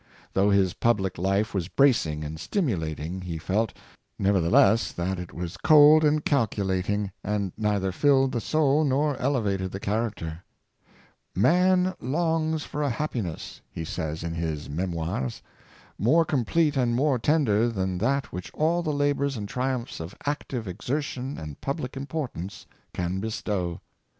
Though his public life was bracing and stimulating, he felt, nev ertheless, that it was cold and calculating, and neither filled the soul nor elevated the character, " Man longs for a happiness," he says in his '^Memoires," "more complete and more tender than that which all the labors and triumphs of active exertion and public importance can bestow.